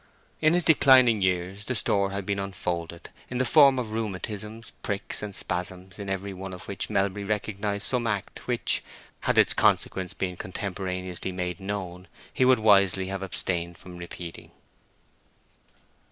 In his declining years the store had been unfolded in the form of rheumatisms, pricks, and spasms, in every one of which Melbury recognized some act which, had its consequence been contemporaneously made known, he would wisely have abstained from repeating.